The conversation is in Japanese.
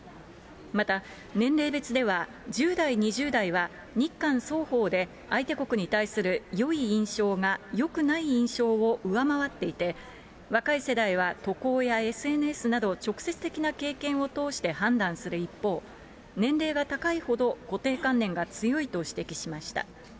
また年齢別では、１０代、２０代は、日韓双方で相手国に対するよい印象が、よくない印象を上回っていて、若い世代は渡航やＳＮＳなど、直接的な経験を通して判断する一方、年齢が高いほど固定観念が強いと指摘しました。